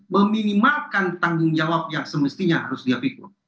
meminimalkan tanggung jawab yang semestinya harus dia pikir